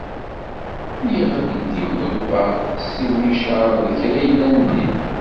Yeɣli-d imḍebber s licaṛ d kra yellan din.